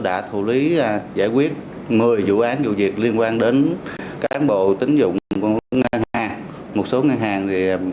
đã thủ lý giải quyết một mươi vụ án vụ việc liên quan đến cán bộ tín dụng của một số ngân hàng